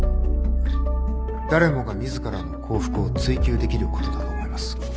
誰もが自らの幸福を追求できることだと思います。